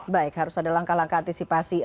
baik harus ada langkah langkah antisipasi